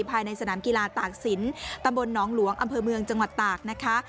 ภายในสนามกีฬาตากศิลป์ตำบลหนองหลวงอำเภอเมืองจังหวัดตากนะคะ